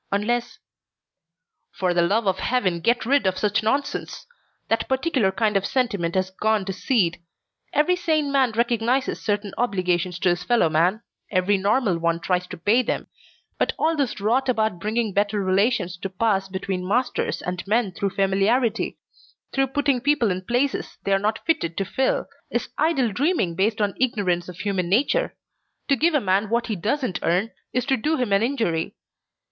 Unless " "For the love of Heaven, get rid of such nonsense! That particular kind of sentiment has gone to seed. Every sane man recognizes certain obligations to his fellow man, every normal one tries to pay them, but all this rot about bringing better relations to pass between masters and men through familiarity, through putting people in places they are not fitted to fill, is idle dreaming based on ignorance of human nature. To give a man what he doesn't earn is to do him an injury.